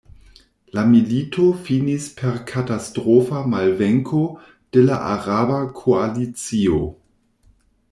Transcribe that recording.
La milito finis per katastrofa malvenko de la araba koalicio.